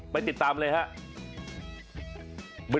ไปติดตามเลยครับ